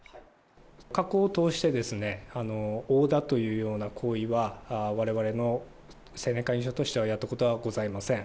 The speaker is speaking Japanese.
過去を通して、殴打というような行為は、われわれの青年会議所としてはやったことはございません。